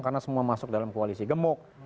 karena semua masuk dalam koalisi gemuk